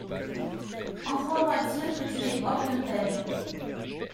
Envoie-moi dire que tu es hors de peine.